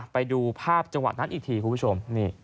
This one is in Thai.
ไปดูภาพจังหวะนั้นอีกทีคุณผู้ชม